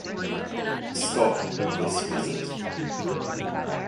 Stop this visit.